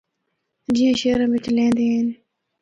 جیّاں شہراں بچ لیندے ہن۔